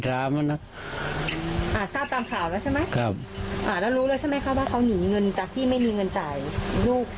เรารู้เลยใช่ไหมคะว่าเขาหนีเงินจากที่ไม่หนีเงินจ่ายลูก